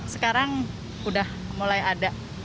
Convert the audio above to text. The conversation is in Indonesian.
sekarang sudah mulai ada